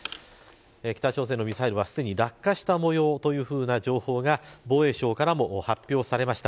北朝鮮のミサイルはすでに落下した模様という情報が防衛省からも発表されました。